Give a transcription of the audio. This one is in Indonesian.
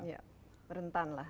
ya rentan lah